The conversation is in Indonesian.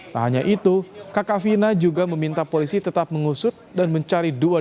tak hanya itu kaka vina juga meminta polisi tetap mengusut dan mencari dukungan